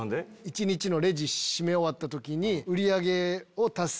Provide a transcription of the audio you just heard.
一日のレジ締め終わった時に。